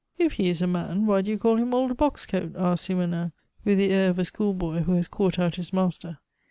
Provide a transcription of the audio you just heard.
"If he is a man, why do you call him old Box coat?" asked Simonnin, with the air of a schoolboy who has caught out his master.